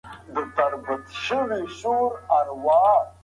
حکومت دا برخه مهمه ګڼي.